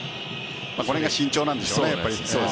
これが慎重なんでしょうね。